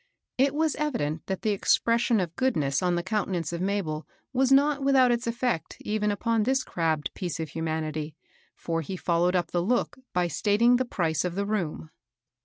It was evident that the expression of goodness on the countenance of Mabel was not without its ef fect even upon this crabbed piece of humanity, for he followed up the look by stating the price of the room.